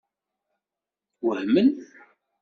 Wehmen?